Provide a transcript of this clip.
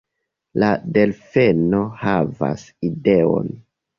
La delfeno havas ideon: